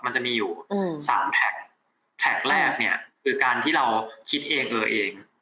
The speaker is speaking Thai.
มันจะมีอยู่สามแท็กแท็กแรกเนี่ยคือการที่เราคิดเองเลยเอง